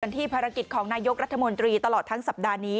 ที่ภารกิจของนายกรัฐมนตรีตลอดทั้งสัปดาห์นี้